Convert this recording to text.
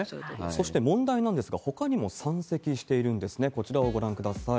そして、問題なんですが、ほかにも山積しているんですね、こちらをご覧ください。